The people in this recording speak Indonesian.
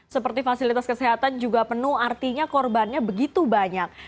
seperti fasilitas kesehatan juga penuh artinya korbannya begitu banyak